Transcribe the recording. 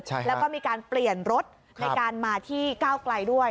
แล้วก็มีการเปลี่ยนรถในการมาที่ก้าวไกลด้วย